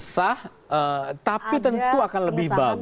sah tapi tentu akan lebih bagus